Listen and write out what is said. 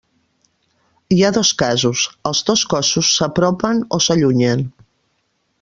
Hi ha dos casos: els dos cossos s'apropen o s'allunyen.